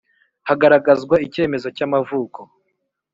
Hagaragazwa icyemezo cy ‘amavuko.